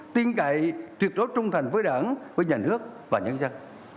tin cậy tuyệt đối trung thành với đảng với nhà nước và nhân dân